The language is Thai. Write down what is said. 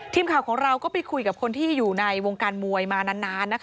ทีมข่าวของเราก็ไปคุยกับคนที่อยู่ในวงการมวยมานานนะคะ